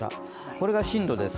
これが進路です。